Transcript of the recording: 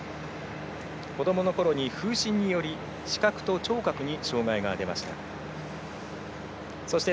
子どものころに、風疹により視覚と聴覚に障がいが出ました。